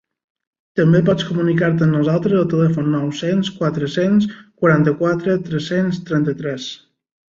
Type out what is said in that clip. També pots comunicar-te amb nosaltres al telèfon nou-cents quatre-cents quaranta-quatre tres-cents trenta-tres.